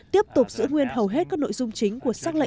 tiếp tục giữ nguyên hầu hết các nội dung chính của xác lệnh